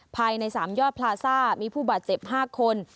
ภายใน๓ยอดพลาซ่ามีผู้บาดเจ็บ๕คน